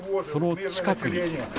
その近くに。